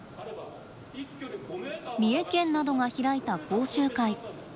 三重県などが開いた講習会。